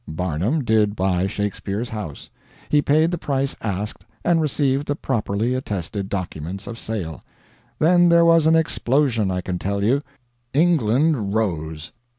Barnum did buy Shakespeare's house. He paid the price asked, and received the properly attested documents of sale. Then there was an explosion, I can tell you. England rose!